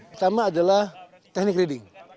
pertama adalah teknik reading